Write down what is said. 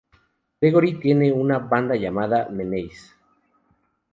Gregory tiene una banda llamada "Menace".